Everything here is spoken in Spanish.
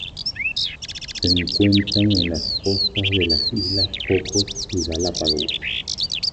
Se encuentran en las costas de las islas Cocos y Galápagos.